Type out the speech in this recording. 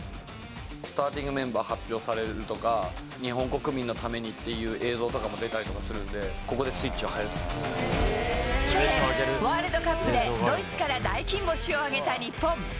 スターティングメンバー発表されるとか、日本国民のためにっていう映像とかも出たりとかするんで、ワールドカップでドイツから大金星を挙げた日本。